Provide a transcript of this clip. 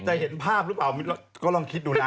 เห็นภาพหรือเปล่าก็ลองคิดดูนะ